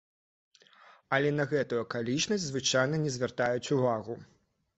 Але на гэтую акалічнасць звычайна не звяртаюць увагу.